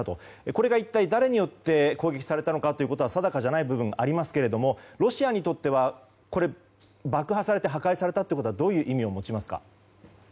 これが一体誰によって攻撃されたのかというのは定かではないところがありますけれどもロシアにとっては爆破されて破壊されたことはどういう意味を持ちますか？